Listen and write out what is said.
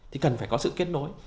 thì cần phải có sự kết nối